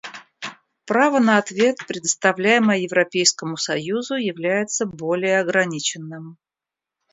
Право на ответ, предоставляемое Европейскому союзу, является более ограниченным.